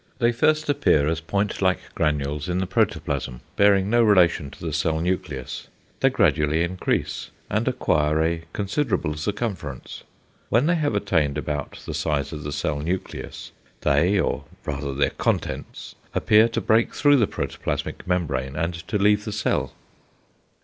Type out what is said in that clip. They first appear as point like granules in the protoplasm, bearing no relation to the cell nucleus; they gradually increase, and acquire a considerable circumference. When they have attained about the size of the cell nucleus, they, or rather their contents, appear to break through the protoplasmic membrane and to leave the cell.